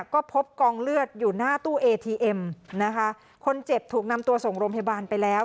ก็พบกองเลือดอยู่หน้าตู้เอทีเอ็มนะคะคนเจ็บถูกนำตัวส่งโรงพยาบาลไปแล้ว